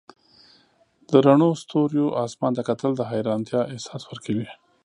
د روڼ ستوریو اسمان ته کتل د حیرانتیا احساس ورکوي.